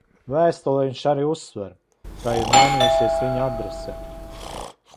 Vēstulē viņš arī uzsver, ka ir mainījusies viņa adrese.